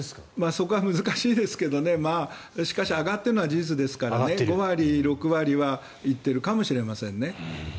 そこは難しいですけど上がってるのは事実ですから５割、６割は行っているかもしれませんね。